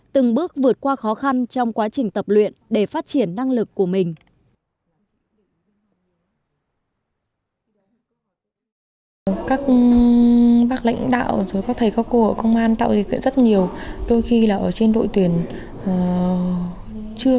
từng bước vượt qua khó khăn trong quá trình tập luyện để phát triển năng lực của mình